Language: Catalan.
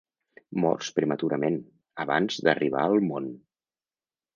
Morts prematurament, abans d'arribar al món.